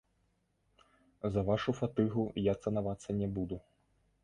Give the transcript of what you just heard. За вашу фатыгу я цанавацца не буду!